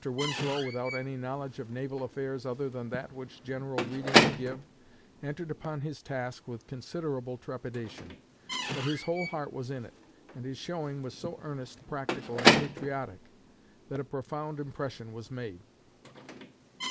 Winslow, without any knowledge of naval affairs other than that which general reading would give, entered upon his task with considerable trepidation, but his whole heart was in it, and his showing was so earnest, practical, and patriotic, that a profound impression was made.